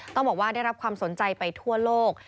ต้องบอกว่าได้รับความสนใจไปทั่วโลก